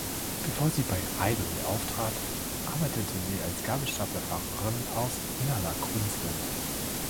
Bevor sie bei „Idol“ auftrat arbeitete sie als Gabelstaplerfahrerin aus Inala, Queensland.